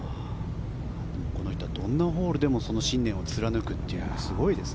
この人はどんなホールでもその信念を貫くのですごいです。